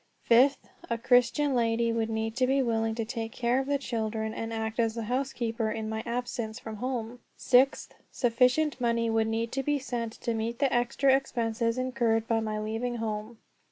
Fifth, a Christian lady would need to be willing to take care of the children, and act as my housekeeper in my absence from home. Sixth, sufficient money would need to be sent to meet the extra expenses incurred by my leaving home.